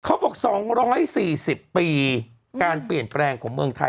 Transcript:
เขาบอก๒๔๐ปีการเปลี่ยนแปลงของเมืองไทย